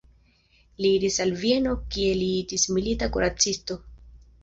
Li iris al Vieno kie li iĝis milita kuracisto.